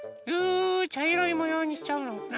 ちゃいろいもようにしちゃおうかな。